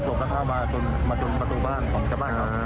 หักหลวงพระภาพมาจุดประตูบ้านของจังหวังครับ